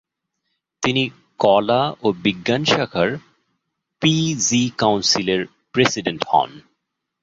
তিনি কলা ও বিজ্ঞান শাখার পি.জি. কাউন্সিলের প্রেসিডেন্ট হন।